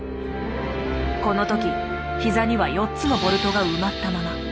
この時ひざには４つのボルトが埋まったまま。